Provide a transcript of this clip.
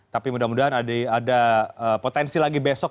tapi mudah mudahan ada potensi lagi besok